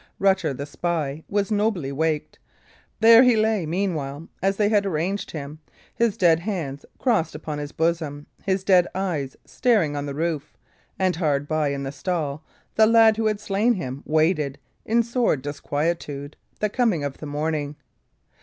Rutter, the spy, was nobly waked. There he lay, meanwhile, as they had arranged him, his dead hands crossed upon his bosom, his dead eyes staring on the roof; and hard by, in the stall, the lad who had slain him waited, in sore disquietude, the coming of the morning.